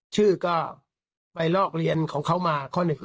ชื่อก็ไปลอกเลี้ยนของเขามาข้อ๑